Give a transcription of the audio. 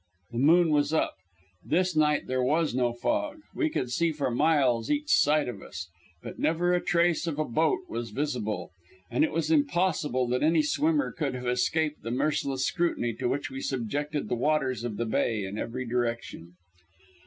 The moon was up. This night there was no fog. We could see for miles each side of us, but never a trace of a boat was visible, and it was impossible that any swimmer could have escaped the merciless scrutiny to which we subjected the waters of the bay in every direction.